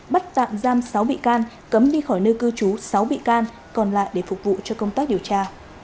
bắt tạm giam sáu bị can cấm đi khỏi nơi cư trú sáu bị can còn lại để phục vụ cho công tác điều tra